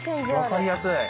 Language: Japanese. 分かりやすい。